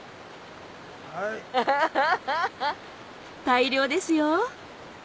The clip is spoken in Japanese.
大漁ですよ